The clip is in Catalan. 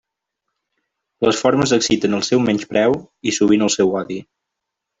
Les formes exciten el seu menyspreu i sovint el seu odi.